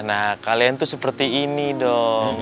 nah kalian tuh seperti ini dong